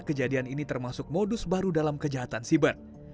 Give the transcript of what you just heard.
kejadian ini termasuk modus baru dalam kejahatan siber